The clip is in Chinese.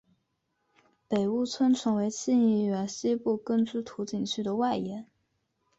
北坞村成为清漪园西部耕织图景区的外延。